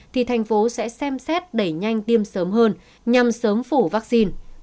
thì tp hcm sẽ xem xét đẩy nhanh tiêm sớm hơn nhằm sớm phủ vaccine